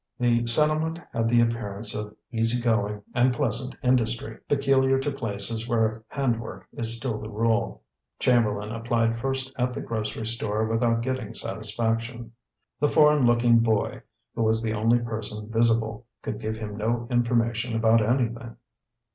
The settlement had the appearance of easy going and pleasant industry peculiar to places where handwork is still the rule. Chamberlain applied first at the grocery store without getting satisfaction. The foreign looking boy, who was the only person visible, could give him no information about anything.